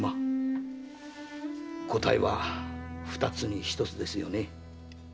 答えは二つに一つですよね。